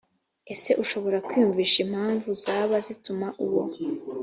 ese ushobora kwiyumvisha impamvu zaba zituma uwo